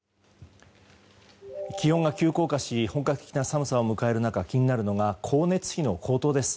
気温が急降下し本格的な寒さを迎える中気になるのが光熱費の高騰です。